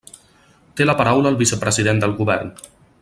Té la paraula el vicepresident del Govern.